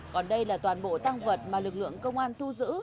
còn đây là toàn bộ tăng vật mà lực lượng công an thu giữ